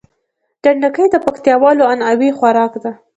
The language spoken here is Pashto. ډنډکی د پکتياوالو عنعنوي خوارک ده